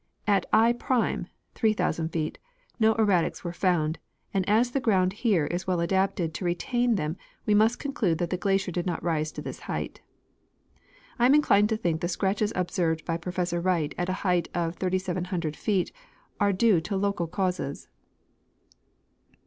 At F (3,000 feet) no erratics were found, and as the ground here is well adapted to retain them we must conclude that the glacier did not rise to this height. I am inclined to think the scratches observed by Professor AVright at a height of 3,700 feet * are due to local causes.